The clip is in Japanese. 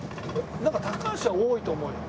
なんか高橋は多いと思うよ。